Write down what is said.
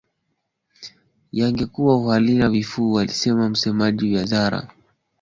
yangekuwa uhalifu wa kivita, alisema msemaji wa wizara ya mambo ya nje Marekani